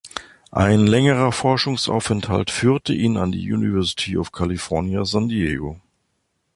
Ein längerer Forschungsaufenthalt führte ihn an die University of California, San Diego.